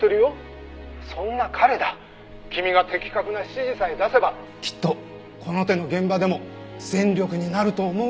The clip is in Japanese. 「そんな彼だ君が的確な指示さえ出せばきっとこの手の現場でも戦力になると思うが」